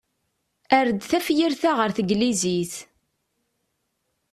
Err-d tafyirt-a ɣer tneglizit.